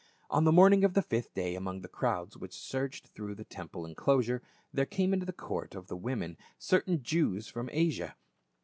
On the morning of the fifth day among the crowds which surged through the temple enclosure, there came into the court of the women certain Jews from Asia.